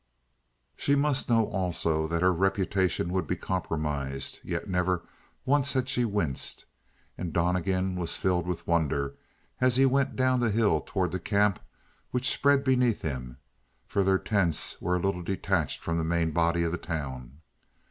She must know, also, that her reputation would be compromised; yet never once had she winced, and Donnegan was filled with wonder as he went down the hill toward the camp which was spread beneath him; for their tents were a little detached from the main body of the town.